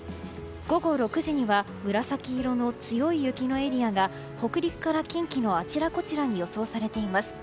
午後６時には紫色の強い雪のエリアが北陸から近畿のあちらこちらに予想されています。